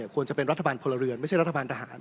ควรจะเป็นรัฐบาลพลเรือนไม่ใช่รัฐบาลทหาร